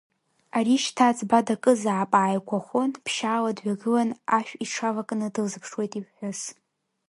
Ари шьҭа аӡба дакызаап ааигәахәын, ԥшьаала дҩагылан, ашә иҽавакны дылзыԥшуеит иԥҳәыс.